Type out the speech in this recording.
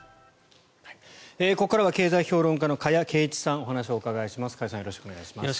ここからは経済評論家加谷珪一さんにお話をお伺いします。